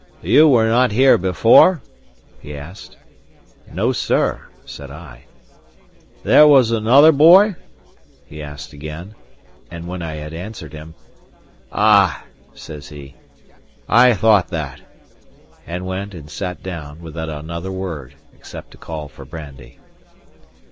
"You were not here before?" he asked. "No, sir," said I." "There was another boy?" he asked again; and when I had answered him, "Ah!" says he, "I thought that," and went and sat down, without another word, except to call for brandy.